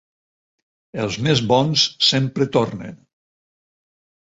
Els més bons sempre tornen.